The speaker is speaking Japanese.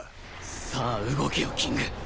さあ動けよキング